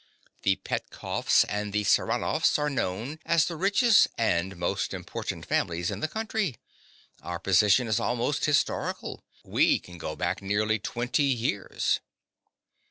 The Petkoffs and the Saranoffs are known as the richest and most important families in the country. Our position is almost historical: we can go back for nearly twenty years.